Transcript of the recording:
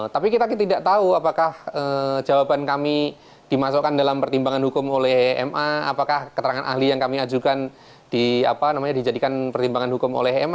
tapi kita tidak tahu apakah jawaban kami dimasukkan dalam pertimbangan hukum oleh ma apakah keterangan ahli yang kami ajukan pertimbangan hukum oleh ma